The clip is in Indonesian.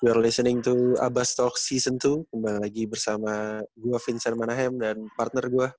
we are listening to abastalk season dua kembali lagi bersama gue vincent manahem dan partner gue